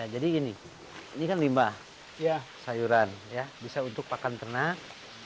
jadi gini ini kan limbah sayuran bisa untuk makan ternak